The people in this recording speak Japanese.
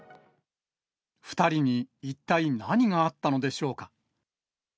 ２人に一体何があったのでしょうか。